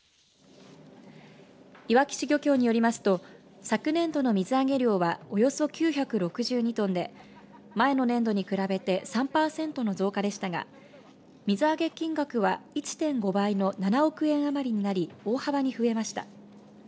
いわき市漁協によりますと昨年度の水揚げ量はおよそ９６２トンで前の年度に比べて３パーセントの増加でしたが水揚げ金額は１．５倍の７億円余りになり大幅に増えました。